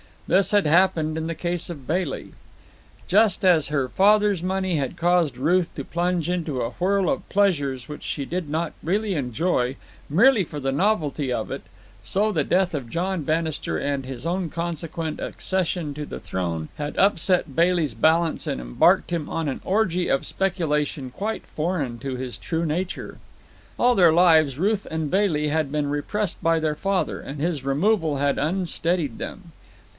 This had happened in the case of Bailey. Just as her father's money had caused Ruth to plunge into a whirl of pleasures which she did not really enjoy, merely for the novelty of it, so the death of John Bannister and his own consequent accession to the throne had upset Bailey's balance and embarked him on an orgy of speculation quite foreign to his true nature. All their lives Ruth and Bailey had been repressed by their father, and his removal had unsteadied them.